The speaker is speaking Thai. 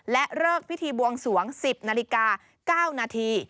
และเลิกพิธีบวงสวง๑๐นาฬิกา๙นาที